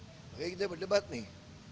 makanya kita berdebat nih